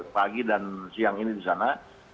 pagi dan siang ini di sana